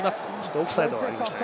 オフサイドがありましたね。